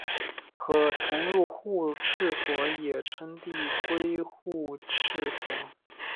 可重入互斥锁也称递归互斥锁。